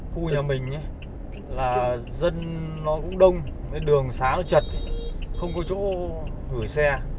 khu nhà mình là dân nó cũng đông cái đường xá nó chật không có chỗ gửi xe